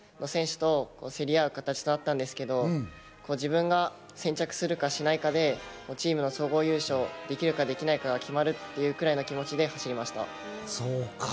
終盤、青山学院の選手と競り合う形となったんですけど、自分が先着するかしないかで、チームの総合優勝ができるかできないかが決まるというくらいの気持ちで走りました。